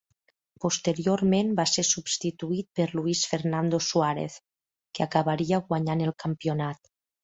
Posteriorment va ser substituir per Luis Fernando Suárez, que acabaria guanyant el campionat.